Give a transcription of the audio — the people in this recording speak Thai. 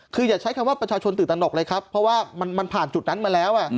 คืออย่าใช้คำว่าประชาชนตื่นตนกเลยครับเพราะว่ามันผ่านจุดนั้นมาแล้ว